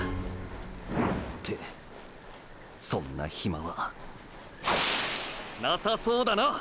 っ⁉ってそんなヒマはなさそうだな！！